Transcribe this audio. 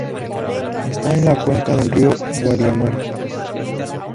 Está en la cuenca del río Guadiamar.